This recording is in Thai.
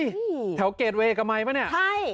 เฮ้ยแถวเกรดเวย์กับไม้ป่ะเนี่ย